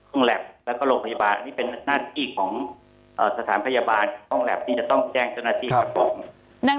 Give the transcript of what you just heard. แล็บแล้วก็โรงพยาบาลนี่เป็นหน้าที่ของสถานพยาบาลห้องแล็บที่จะต้องแจ้งเจ้าหน้าที่ประกอบ